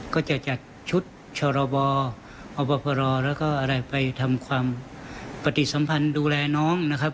ก็จะจัดชุดชรบอบพรแล้วก็อะไรไปทำความปฏิสัมพันธ์ดูแลน้องนะครับ